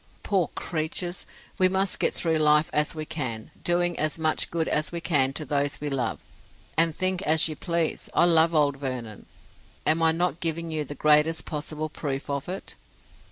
poor creatures! we must get through life as we can, doing as much good as we can to those we love; and think as you please, I love old Vernon. Am I not giving you the greatest possible proof of it?"